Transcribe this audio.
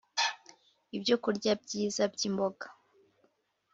ibyokurya byiza byimboga